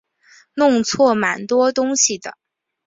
弄错蛮多东西的